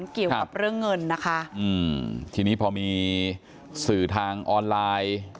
เกี่ยวกับเรื่องเงินนะคะอืมทีนี้พอมีสื่อทางออนไลน์